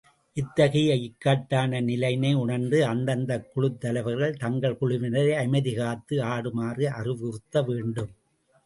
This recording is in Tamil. இத்தகைய இக்கட்டான நிலையினை உணர்ந்து, அந்தந்தக் குழுத் தலைவர்கள், தங்கள் குழுவினரை அமைதி காத்து ஆடுமாறு அறிவுறுத்த வேண்டும்.